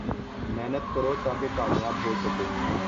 محنت کرو تا کہ کامیاب ہو سکو